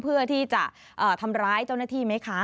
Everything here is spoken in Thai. เพื่อที่จะทำร้ายเจ้าหน้าที่ไหมคะ